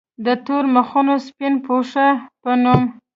د “ تور مخونه سپين پوښونه ” پۀ نوم